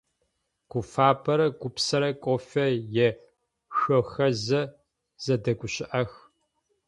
Гуфабэрэ Гупсэрэ кофе ешъохэзэ зэдэгущыӀэх.